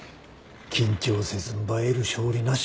緊張せずんば得る勝利なし。